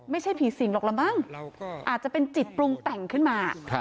ไม่ใช่ผีสิงหรอกละมั้งอาจจะเป็นจิตปรุงแต่งขึ้นมา